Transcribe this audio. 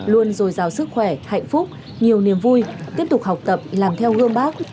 luôn rồi rào sức khỏe hạnh phúc nhiều niềm vui tiếp tục học tập làm theo gương bác